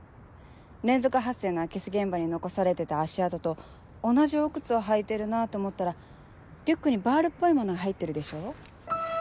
連続発生の空き巣現場に残されてた足跡と同じお靴を履いているなぁと思ったらリュックにバールっぽいものが入ってるでしょ？